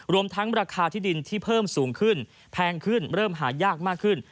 รวมทั้งราคาที่ดินที่เพิ่มสูงขึ้นแพงขึ้นเริ่มหายากมากขึ้น